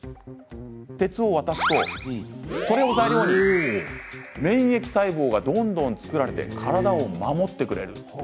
鉄を渡すと、それを材料に免疫細胞がどんどん作られて体を守ってくれる。